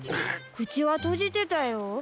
口は閉じてたよ。